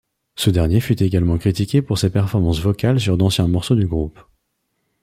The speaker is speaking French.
Ce dernier fut également critiqué pour ses performances vocales sur d'anciens morceaux du groupe.